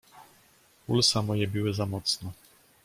"Pulsa moje biły za mocno."